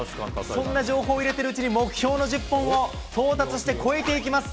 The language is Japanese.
そんな情報を入れてるうちに、目標の１０本を到達して超えていきます。